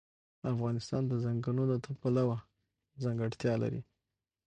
افغانستان د ځنګلونه د پلوه ځانته ځانګړتیا لري.